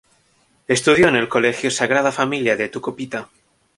Estudió en el colegio "Sagrada Familia" de Tucupita.